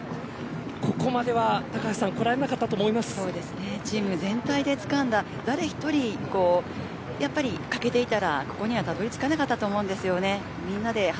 ここまではチーム全体でつかんだ誰１人欠けていたらここにはたどり着かなかったと思うんですよね。